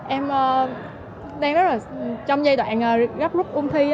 em đang rất là trong giai đoạn gấp rút ôn thi